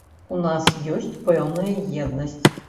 У нас ёсць пэўная еднасць.